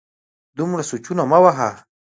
دومره سوچونه مه وهه